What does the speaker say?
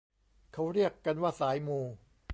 เขาเรียกกันว่าสายมู